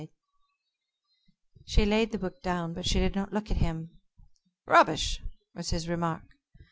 _'" She laid the book down, but she did not look at him. "Rubbish," was his remark.